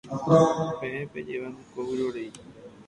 Peẽ pejéva niko vyrorei.